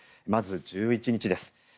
まず１１日です。